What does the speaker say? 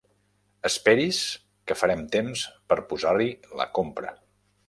Esperi's que farem temps per posar-hi la compra.